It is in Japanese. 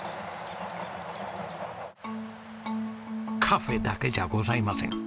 カフェだけじゃございません。